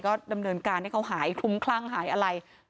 ก็ดำเนินการให้เขาหายคลุ้มคลั่งหายอะไร